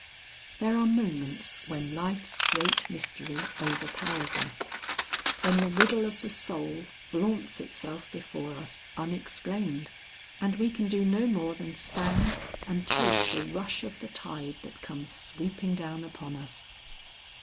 There are moments when life's great mystery overpowers us; when the riddle of the soul flaunts itself before us unexplained, and we can do no more than stand and take the rush of the tide that comes sweeping down upon us.